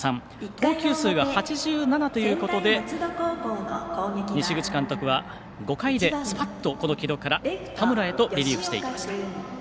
投球数が８７ということで西口監督は５回でスパッとこの城戸から田村へとリリーフしていきました。